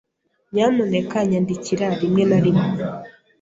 Nyamuneka nyandikira rimwe na rimwe.